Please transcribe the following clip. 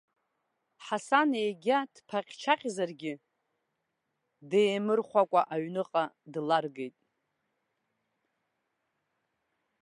Ҳасан егьа дԥаҟь-чаҟьзаргьы, деимырхәакәа аҩныҟа дларгеит.